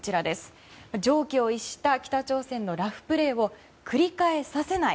常軌を逸した北朝鮮のラフプレーを繰り返させない。